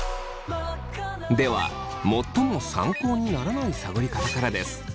では最も参考にならない探り方からです。